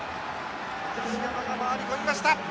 西山が回り込みました。